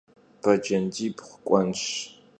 Becendibğu k'uenş.